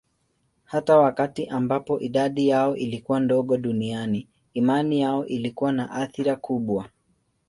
Hata wakati ambapo idadi yao ilikuwa ndogo duniani, imani yao ilikuwa na athira kubwa.